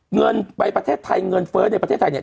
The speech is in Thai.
เงินไปประเทศไทยเงินเฟ้อในประเทศไทยเนี่ย